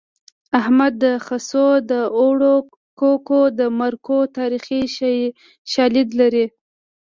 احمد د خسو د اوړو ککو د مرکو تاریخي شالید لري